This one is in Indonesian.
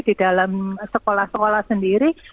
di dalam sekolah sekolah sendiri